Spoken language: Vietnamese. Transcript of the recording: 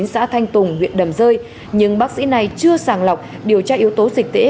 xã thanh tùng huyện đầm rơi nhưng bác sĩ này chưa sàng lọc điều tra yếu tố dịch tễ